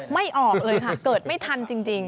ไม่ออกเลยค่ะเกิดไม่ทันจริง